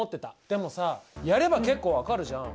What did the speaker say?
でもさやれば結構分かるじゃん。